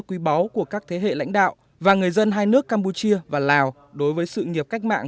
quý báu của các thế hệ lãnh đạo và người dân hai nước campuchia và lào đối với sự nghiệp cách mạng